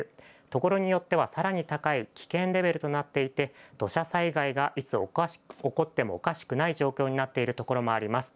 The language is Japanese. ところによっては、さらに高い危険レベルとなっていて、土砂災害がいつ起こってもおかしくない状況になっているところもあります。